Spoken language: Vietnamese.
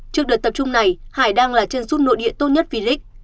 trước đợt tập trung này hải đang là chân rút nội địa tốt nhất vì lịch